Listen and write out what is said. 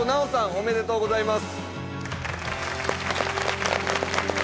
おめでとうございます